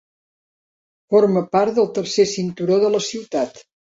Forma part del Tercer Cinturó de la ciutat.